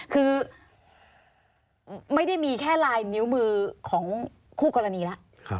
คือไม่ได้มีแค่ลายนิ้วมือของคู่กรณีแล้ว